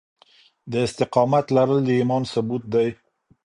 د استقامت لرل د ايمان ثبوت دی.